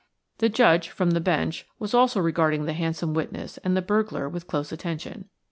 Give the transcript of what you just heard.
The Judge, from the Bench, was also regarding the handsome witness and the burglar with close attention.